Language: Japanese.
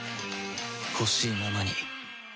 ほしいままに